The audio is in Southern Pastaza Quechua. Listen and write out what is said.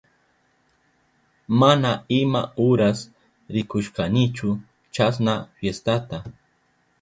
Mana ima uras rikushkanichu chasna fiestata.